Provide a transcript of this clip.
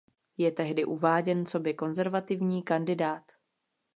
Je tehdy uváděn coby konzervativní kandidát.